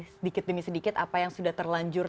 sedikit demi sedikit apa yang sudah terlanjur